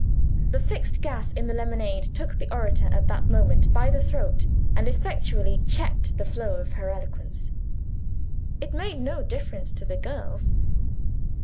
The fixed gas in the lemonade took the orator, at that moment, by the throat, and effectually checked the flow of her eloquence. It made no difference to the girls.